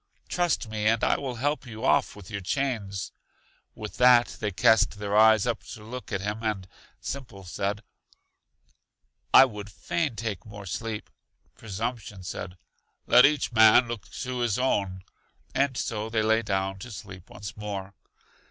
Trust me, and I will help you off with your chains. With that they cast their eyes up to look at him, and Simple said: I would fain take more sleep. Presumption said: Let each man look to his own. And so they lay down to sleep once more.